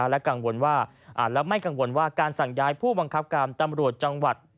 และไม่กังวลว่าการสั่งย้ายผู้บังคับการตำรวจวัฐ